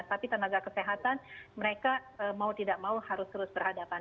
tapi tenaga kesehatan mereka mau tidak mau harus terus berhadapan